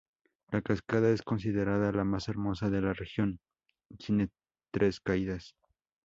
La cascada es considerada la más hermosa de la región y tiene tres caídas.